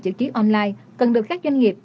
chữ ký online cần được các doanh nghiệp